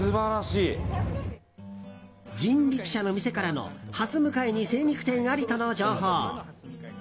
人力車の店からのはす向かいに精肉店ありとの情報。